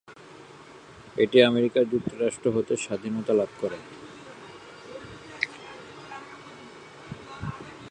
এটি আমেরিকা যুক্তরাষ্ট্র হতে স্বাধীনতা লাভ করে